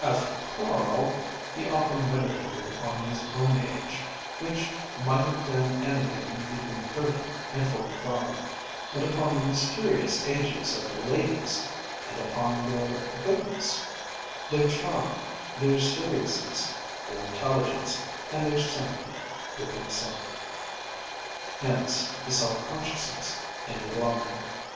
As for Carl, he often meditated upon his own age, which might have been anything between thirty and forty five, and upon the mysterious ages of the ladies, and upon their goodness, their charm, their seriousness, their intelligence and their sympathy with himself. Hence the self consciousness in the gloaming.